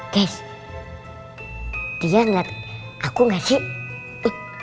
guys dia ngeliat aku gak sih